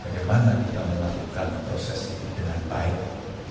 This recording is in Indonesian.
bagaimana kita melakukan proses itu dengan baik